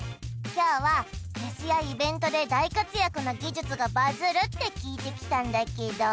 今日はフェスやイベントで大活躍な技術がバズるって聞いて来たんだけど